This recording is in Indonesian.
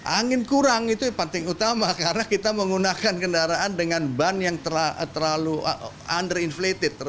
angin kurang itu yang penting utama karena kita menggunakan kendaraan dengan ban yang terlalu under inflated